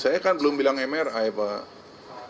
saya kan belum bilang mri pak